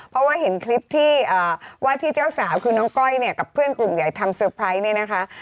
เพราะว่าเห็นคลิปที่ว่าที่เจ้าสาวคือน้องก้อยเนี่ยกับเพื่อนกลุ่มใหญ่ทำเซอร์ไพรส์เนี่ยนะคะ